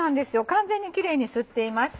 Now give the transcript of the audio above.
完全にキレイに吸っています。